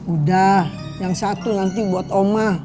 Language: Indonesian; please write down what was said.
udah yang satu nanti buat oma